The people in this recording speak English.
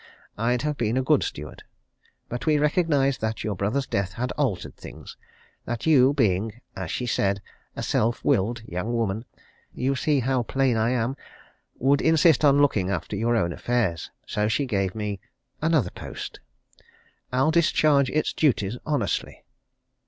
I'd have been a good steward. But we recognized that your brother's death had altered things that you, being, as she said, a self willed young woman you see how plain I am would insist on looking after your own affairs. So she gave me another post. I'll discharge its duties honestly."